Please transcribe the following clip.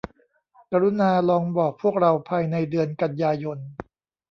กรุณาลองบอกพวกเราภายในเดือนกันยายน